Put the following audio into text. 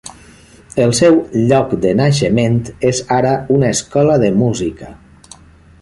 El seu lloc de naixement és ara una escola de música.